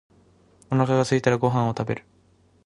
お腹がすいたらご飯を食べる。